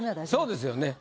そうですよね。